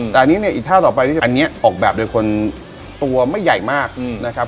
แต่อันนี้เนี่ยอีกท่าต่อไปที่จะอันนี้ออกแบบโดยคนตัวไม่ใหญ่มากนะครับ